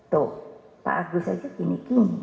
tuh pak agus aja kini kini